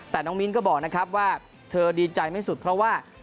แต่น้องมิ้นก็บอกนะครับว่าเธอดีใจไม่สุดเพราะว่า